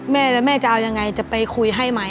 แม่จะเอายังไงจะไปคุยให้ไหม